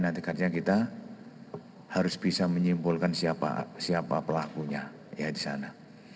nantikan kita harus bisa menyimpulkan siapa pelakunya ya di sana